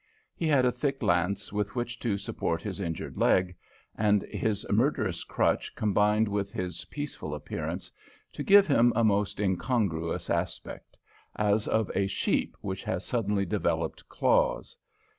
He had a thick lance with which to support his injured leg, and this murderous crutch combined with his peaceful appearance to give him a most incongruous aspect, as of a sheep which has suddenly developed claws.